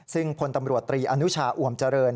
ซึ่งพลตำรวจตรีอนุชาอวมเจริญ